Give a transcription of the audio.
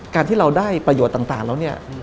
การที่เราได้ประโยชน์ต่างแล้วเนี่ย